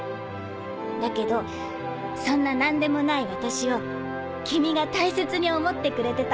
だけどそんな何でもない私を君が大切に思ってくれてた。